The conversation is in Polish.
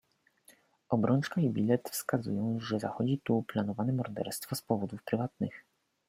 "Obrączka i bilet wskazują, że zachodzi tu uplanowane morderstwo z powodów prywatnych."